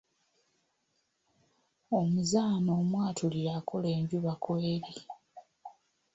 Omuzaana omwatulire akola enjuba kweri.